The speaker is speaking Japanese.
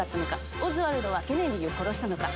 「オズワルドはケネディを殺したのか？